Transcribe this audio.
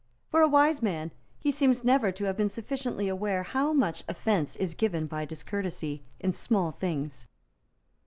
For a wise man, he seems never to have been sufficiently aware how much offence is given by discourtesy in small things.